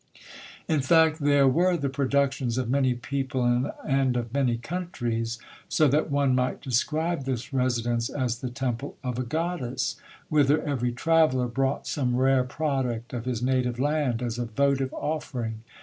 In fact, there were the productions of many people and of many countries, so that one might describe this residence as the temple of a goddess, whither every traveller brought some rare product of his native land, as a votive offering.